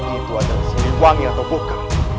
itu ada di sini wangi atau buka